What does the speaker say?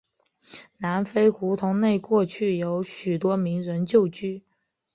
南丰胡同内过去有许多名人旧居。